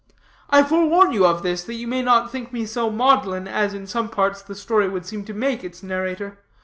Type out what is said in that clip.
I forewarn you of this, that you may not think me so maudlin as, in some parts, the story would seem to make its narrator.